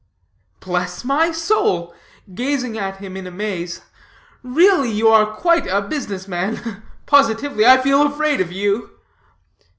"Bless my soul," gazing at him in amaze, "really, you are quite a business man. Positively, I feel afraid of you."